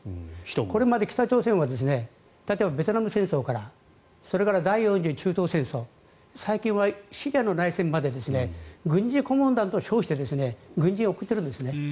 これまで北朝鮮は例えばベトナム戦争からそれから第４次中東戦争最近はシリアの内戦まで軍事顧問団と称して軍人を送っているんですね。